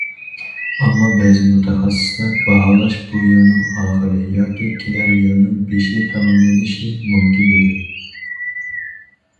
ئەمما بەزى مۇتەخەسسىسلەر باھالاش بۇ يىلنىڭ ئاخىرى ياكى كېلەر يىلىنىڭ بېشى تاماملىنىشى مۇمكىن، دېدى.